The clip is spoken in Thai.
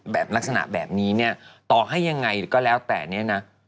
ลักษณะแบบนี้เนี่ยต่อให้ยังไงก็แล้วแต่เนี่ยนะ